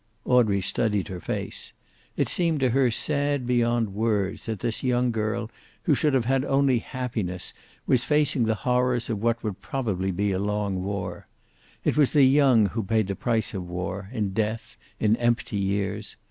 Audrey studied her face. It seemed to her sad beyond words that this young girl, who should have had only happiness, was facing the horrors of what would probably be a long war. It was the young who paid the price of war, in death, in empty years.